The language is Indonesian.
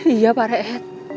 iya pak raya